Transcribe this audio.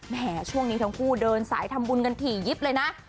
แหมช่วงนี้ทั้งคู่เดินสายทำบุญกันถี่ยิบเลยนะ